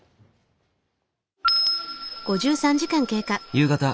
夕方。